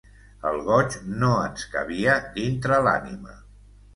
El goig no ens cabia dintre l'ànima.